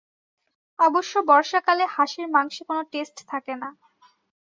অবশ্য বর্ষাকালে হাঁসের মাংসে কোনো টেস্ট থাকে না।